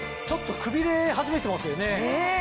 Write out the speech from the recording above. ちょっとくびれ始めてますよね。